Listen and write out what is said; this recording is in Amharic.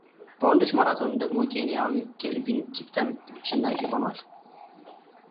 በወንዶች ማራቶን ደግሞ ኬንያዊው ኬልቪን ኪፕተም አሸናፊ ሆኗል።